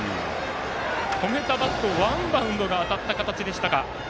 止めたバット、ワンバウンドで当たった形でした。